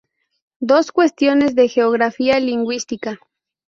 Dos cuestiones de geografía lingüística.